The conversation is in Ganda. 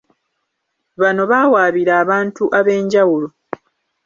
Bano baawaabira abantu ab’enjawulo